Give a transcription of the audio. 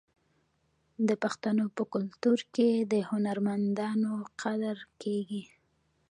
د پښتنو په کلتور کې د هنرمندانو قدر کیږي.